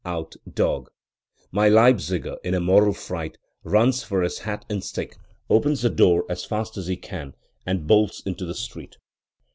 out, dog!' My Leip ziger, in a mortal fright, runs for his hat and stick, opens the door as fast as he can, and bolts into the street.